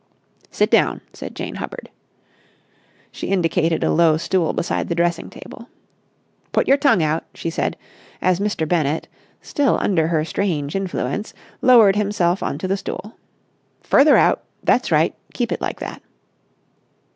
"Sit down!" said Jane Hubbard. She indicated a low stool beside the dressing table. "Put your tongue out!" she said, as Mr. Bennett, still under her strange influence, lowered himself on to the stool. "Further out! That's right. Keep it like that!"